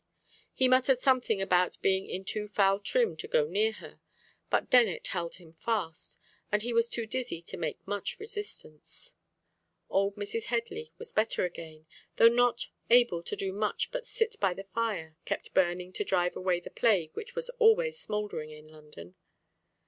He muttered something about being in too foul trim to go near her, but Dennet held him fast, and he was too dizzy to make much resistance. Old Mrs. Headley was better again, though not able to do much but sit by the fire kept burning to drive away the plague which was always smouldering in London.